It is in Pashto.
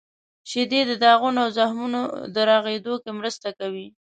• شیدې د داغونو او زخمونو د رغیدو کې مرسته کوي.